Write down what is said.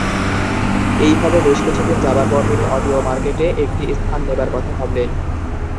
এইভাবে বেশ কিছুদিন যাবার পর তিনি অডিও মার্কেটে একটি স্থান নেবার কথা ভাবলেন।